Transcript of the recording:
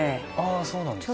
あそうなんですか。